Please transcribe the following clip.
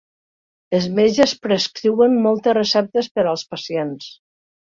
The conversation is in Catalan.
Els metges prescriuen moltes receptes per als pacients